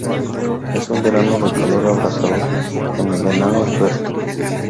Es un verano de calor abrasador en Venado Tuerto.